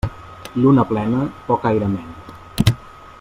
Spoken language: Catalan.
Lluna plena poc aire mena.